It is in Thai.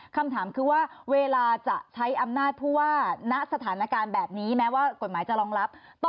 คำถามคือว่าเวลาจะใช้อำนาจผู้ว่าณสถานการณ์แบบนี้แม้ว่ากฎหมายจะรองรับ